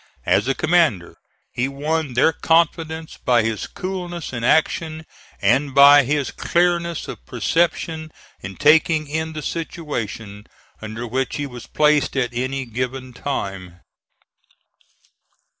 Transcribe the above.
As a commander, he won their confidence by his coolness in action and by his clearness of perception in taking in the situation under which he was placed at any given time.